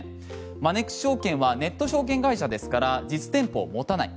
マネックス証券はネット証券会社ですから実店舗を持たない。